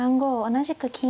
同じく金。